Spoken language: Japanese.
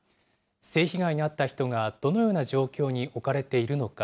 性被害に遭った人がどのような状況に置かれているのか。